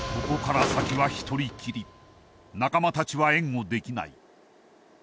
ここから先は一人きり仲間たちは援護できない